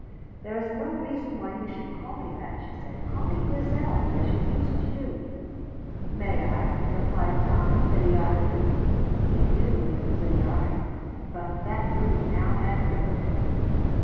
"There is no reason why you should call me that," she said. "Call me Grizel, as you used to do." "May I?" replied Tommy, idiotically. He knew it was idiotic, but that mood now had grip of him.